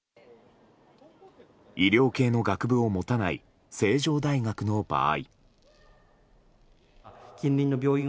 医療系の学部を持たない成城大学の場合。